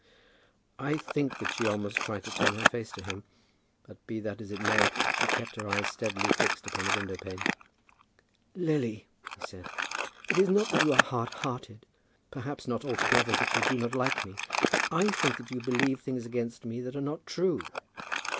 I think that she almost tried to turn her face to him; but be that as it may, she kept her eyes steadily fixed upon the window pane. "Lily," he said, "it is not that you are hard hearted, perhaps not altogether that you do not like me. I think that you believe things against me that are not true."